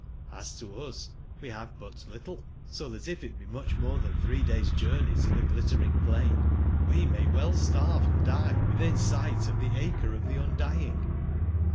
Hs to us we have but little ; so that if it be much more than three days' journey to tbe Glittering plain, we may well starve and die within sight of tbe Here of tbe Qndying.